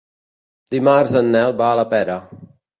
Dimarts en Nel va a la Pera.